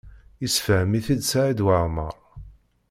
Yessefhem-it-id Saɛid Waɛmaṛ.